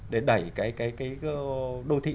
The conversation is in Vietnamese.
để đẩy cái đô thị